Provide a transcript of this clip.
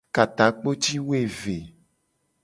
Ka takpo ci wo eve.